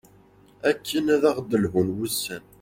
akken ad aɣ-d-lhun wussan